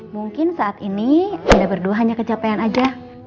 mungkin saat ini anda berdua hanya kecapean aja